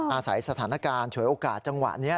อาศัยสถานการณ์ฉวยโอกาสจังหวะนี้